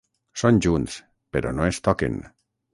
Són junts, però no es toquen.